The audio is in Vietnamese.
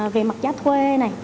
về mặt giá thuê này